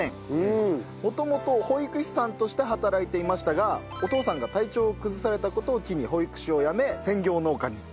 元々保育士さんとして働いていましたがお父さんが体調を崩された事を機に保育士を辞め専業農家に。